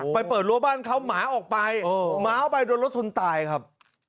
เปิดรั้วบ้านเขาหมาออกไปหมาออกไปโดนรถชนตายครับ